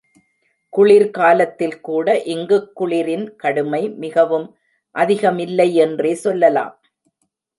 குளிர் காலத்தில்கூட இங்குக் குளிரின் கடுமை மிகவும் அதிகமில்லை என்றே சொல்லலாம்.